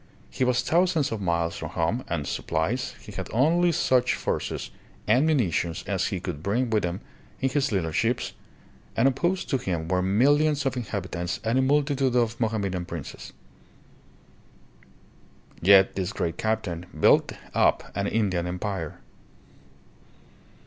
He was thousands of miles from home and supplies, he had only such forces and munitions as he could bring with him in his little ships, and opposed to him were millions of inhabitants and a multitude of Mo hammedan princes. Yet this great captain built up an Indian empire.